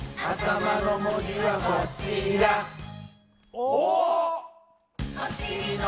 「お」